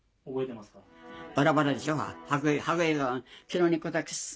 バラバラでしょう。